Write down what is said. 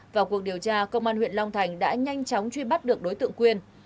vào cuộc điều tra công an huyện long thành đã nhanh chóng truy bắt được đối tượng quyền